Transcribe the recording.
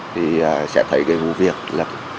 thì sẽ thấy cái vụ việc lập